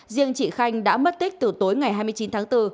riêng chị khanh đã mất tích từ tối ngày hai mươi chín tháng bốn